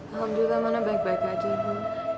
alhamdulillah mano baik baik aja ibu